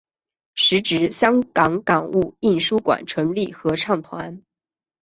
时值香港商务印书馆成立合唱团。